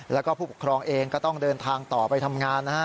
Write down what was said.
แล้วก็ผู้ปกครองเองก็ต้องเดินทางต่อไปทำงานนะฮะ